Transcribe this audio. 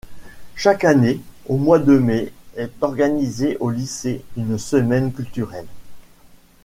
Chaque année, au mois de mai est organisée au lycée une semaine culturelle.